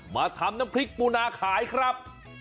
มาทำน้ำพริกปูนาขายครับ